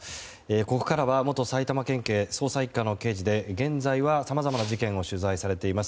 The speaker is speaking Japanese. ここからは元埼玉県警捜査１課の刑事で現在はさまざまな事件を取材されています